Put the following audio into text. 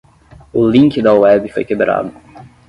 O link da web foi quebrado.